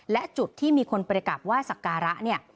และจุดที่มีคนไปกลับไห้สักการะเนี่ย